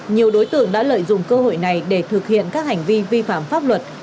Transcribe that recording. nhiều đối tượng đã lợi dụng cơ hội này để thực hiện các hành vi vi phạm pháp luật